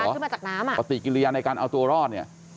เปลี่ยนแต่การขึ้นมาจากน้ำอ่ะปกติกิริยาในการเอาตัวรอดเนี่ย